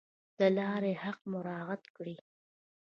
د لارې حق مراعات کړئ